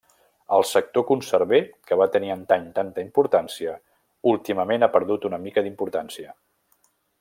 El sector conserver, que va tenir antany tanta importància, últimament ha perdut una mica d'importància.